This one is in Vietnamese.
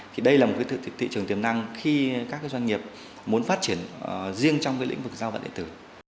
thì đây là một thị trường tiềm năng khi các doanh nghiệp muốn phát triển riêng trong lĩnh vực giao vận điện tử